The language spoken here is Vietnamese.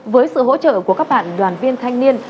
với sự hỗ trợ của các bạn đoàn viên thanh niên